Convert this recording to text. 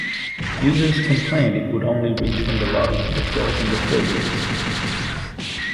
Users complained it would only reach from the lobby to floors in the thirties.